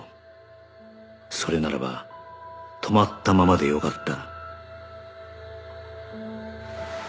それならば止まったままでよかった